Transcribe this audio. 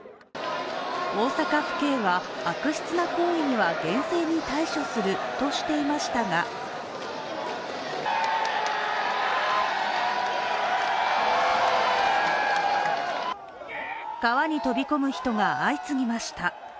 大阪府警は悪質な行為には厳正に対処するとしていましたが川に飛び込む人が相次ぎました。